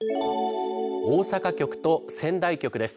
大阪局と仙台局です。